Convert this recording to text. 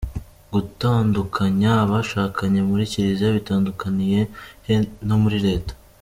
Gutandukanya abashakanye muri Kiliziya bitandukaniye he no muri Leta?.